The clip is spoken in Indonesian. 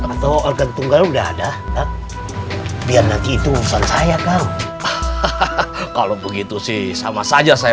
atau organ tunggal udah ada biar nanti itu urusan saya kan kalau begitu sih sama saja saya